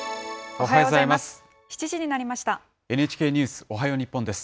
おはようございます。